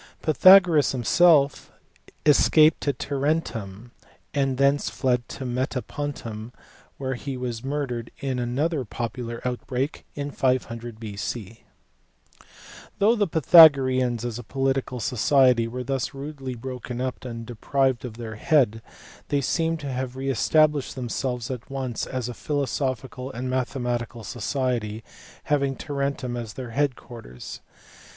Pythagoras himself escaped to Tarentum, and thence fled to Metapontum, where he was murdered in another popular outbreak in 500 B.C. Though the Pythagoreans as a political society were thus rudely broken up and deprived of their head, they seem to have re established themselves at once as a philosophical and mathematical society, having Tarentum as their head quarters.